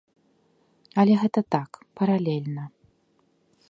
Але гэта так, паралельна.